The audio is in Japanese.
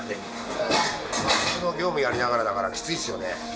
業務やりながらだからきついっすよね。